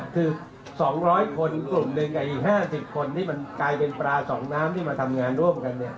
คือ๒๐๐คนกลุ่มหนึ่งกับอีก๕๐คนที่มันกลายเป็นปลา๒น้ำที่มาทำงานร่วมกัน